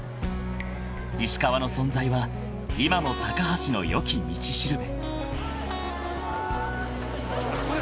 ［石川の存在は今も橋のよき道しるべ］